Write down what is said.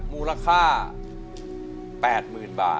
ที่บอกใจยังไง